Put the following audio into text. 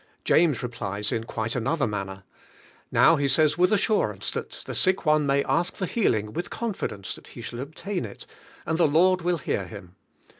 " James replies in quite another manner. Now he says with as surance that the siei "in may ask for healing with confidence that he shall obtain it, and the Lord will hear him.